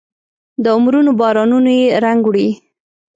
د عمرونو بارانونو یې رنګ وړی